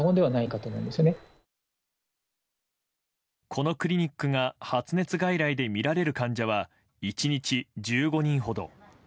このクリニックが発熱外来で診られる患者は１日１５人ほど。